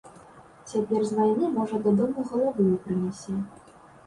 Цяпер з вайны, можа, дадому галавы не прынясе.